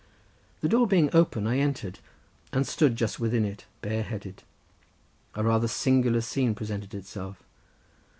The door being open I entered, and stood just within it, bare headed. A rather singular scene presented itself.